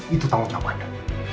itu tanggung jawab anda